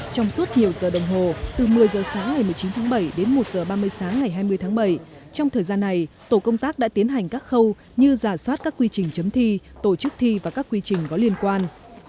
trong suốt nhiều giờ đồng hồ từ một mươi giờ sáng ngày một mươi chín tháng bảy đến một h ba mươi sáng ngày hai mươi tháng bảy trong thời gian này tổ công tác đã tiến hành các khâu như giả soát các quy trình chấm thi tổ chức thi và các quy trình có liên quan